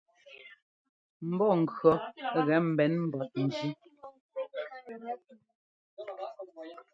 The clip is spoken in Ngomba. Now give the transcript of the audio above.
Mbɔ́ŋkʉ̈ɔ gɛ mbɛn mbɔt njí.